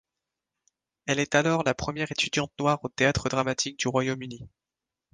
Elle est alors la première étudiante noire au théâtre dramatique du Royaume-Uni.